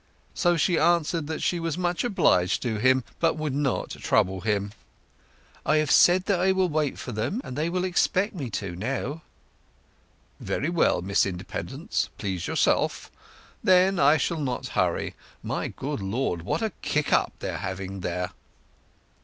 So she answered that she was much obliged to him, but would not trouble him. "I have said that I will wait for 'em, and they will expect me to now." "Very well, Miss Independence. Please yourself... Then I shall not hurry... My good Lord, what a kick up they are having there!"